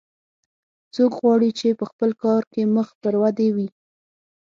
څوک غواړي چې په خپل کار کې مخ پر ودې وي